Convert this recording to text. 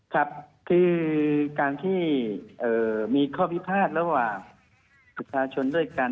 ครับคือการที่มีข้อพิพาทระหว่างประชาชนด้วยกัน